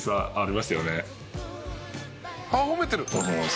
「あっ褒めてる！」